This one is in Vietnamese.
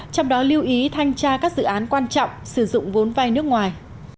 trong đó lưu ý thanh tra các dự án quan trọng sử dụng vốn vai nước ngoài